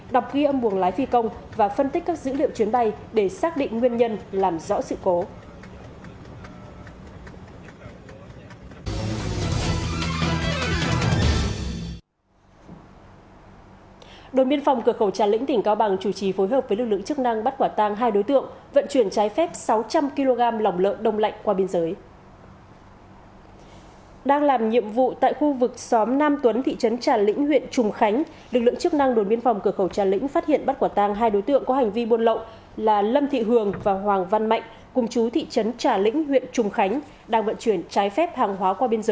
đọc ghi âm buồng lái phi công và phân tích các dữ liệu chuyến bay để xác định nguyên nhân làm rõ sự cố